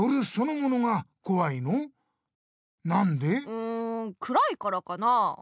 うんくらいからかな？